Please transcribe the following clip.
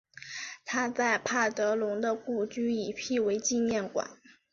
他在帕德龙的故居已辟为纪念馆。